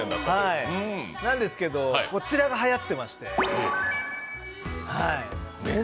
なんですけどこちらがはやってまして。